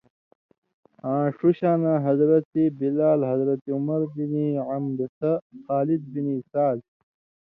آں ݜُو شاناں حضرت بلال، حضرت عمر بن عنبسہ، خالد بن سعد،